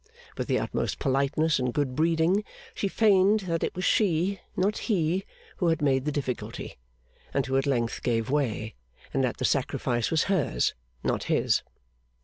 With the utmost politeness and good breeding, she feigned that it was she not he who had made the difficulty, and who at length gave way; and that the sacrifice was hers not his.